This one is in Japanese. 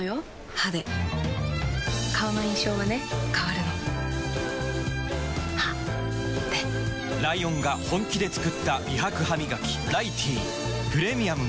歯で顔の印象はね変わるの歯でライオンが本気で作った美白ハミガキ「ライティー」プレミアムも